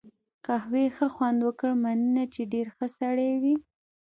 قهوې ښه خوند وکړ، مننه، چې ډېر ښه سړی وې.